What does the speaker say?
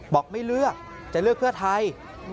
บอกไม่เลือกจะเลือกเพื่อไทย